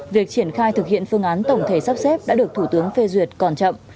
việc triển khai thực hiện phương án tổng thể sắp xếp đã được thủ tướng phê duyệt còn chậm